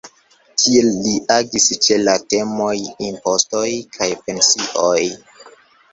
Tiel li agis ĉe la temoj impostoj kaj pensioj.